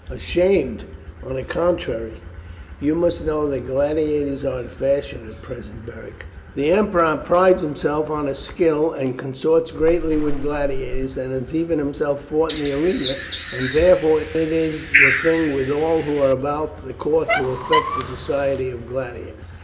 "Ashamed! on the contrary, you must know that gladiators are in fashion at present, Beric. The emperor prides himself on his skill, and consorts greatly with gladiators, and has even himself fought in the arena, and therefore it is the thing with all who are about the court to affect the society of gladiators.